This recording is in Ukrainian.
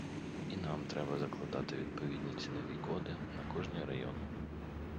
І нам треба закладати відповідні цінові коди на кожний район.